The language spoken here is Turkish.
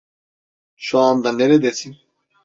Şu anda neredesin?